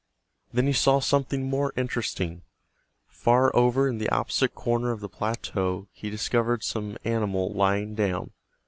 Then he saw something more interesting. Far over in the opposite corner of the plateau he discovered some animal lying down.